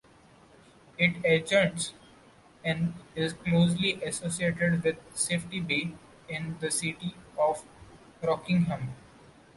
It adjoins and is closely associated with Safety Bay in the City of Rockingham.